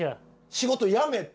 仕事辞めて？